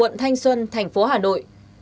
tp thanh xuân tp hà nội